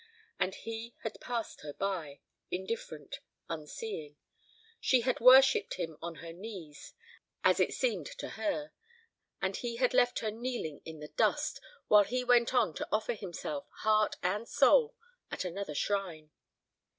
And he had passed her by, indifferent, unseeing. She had worshipped him on her knees, as it seemed to her; and he had left her kneeling in the dust, while he went on to offer himself, heart and soul, at another shrine.